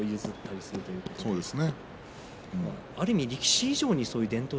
そうですね。